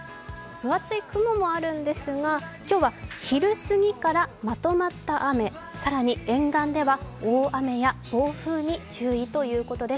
分厚い雲もあるんですが、今日は昼すぎから、まとまった雨、更に沿岸では大雨や強風に注意ということです。